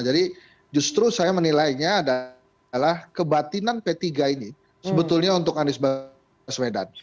jadi justru saya menilainya adalah kebatinan p tiga ini sebetulnya untuk anies baswedan